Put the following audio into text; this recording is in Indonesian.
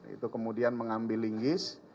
itu kemudian mengambil linggis